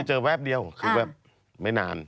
แวบเดียวคือแบบไม่นาน